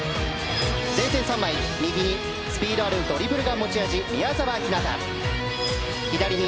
前線、右にスピードあるドリブルが持ち味、宮澤ひなた。